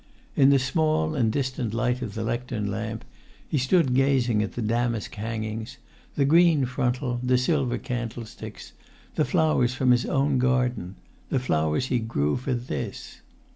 In the small and distant light of the lectern lamp he stood gazing at the damask hangings, the green frontal, the silver candlesticks, the flowers from his own garden—the flowers he grew for this.